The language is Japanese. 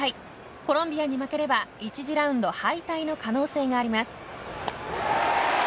コロンビアに負ければ１次ラウンド敗退の可能性があります。